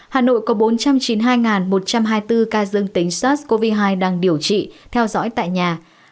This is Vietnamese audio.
hà nội có bốn trăm chín mươi hai một trăm hai mươi bốn ca dương tính sars cov hai đang điều trị theo dõi tại nhà